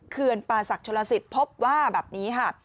เขือนปาศักดิ์ชะละศิษย์พบว่าแบบนี้ค่ะ